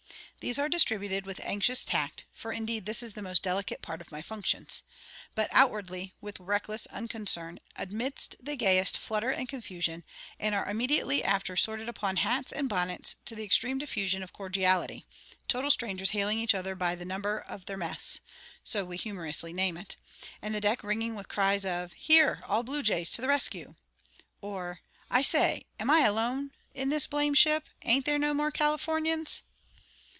These are distributed with anxious tact for, indeed, this is the most delicate part of my functions but outwardly with reckless unconcern, amidst the gayest flutter and confusion; and are immediately after sported upon hats and bonnets, to the extreme diffusion of cordiality, total strangers hailing each other by "the number of their mess" so we humorously name it and the deck ringing with cries of, "Here, all Blue Jays to the rescue!" or, "I say, am I alone in this blame' ship? Ain't there no more Californians?"